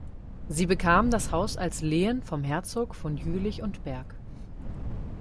Sie bekamen das Haus als Lehen vom Herzog von Jülich und Berg.